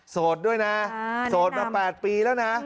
โสดด้วยนะโสดมา๘ปีแล้วนะ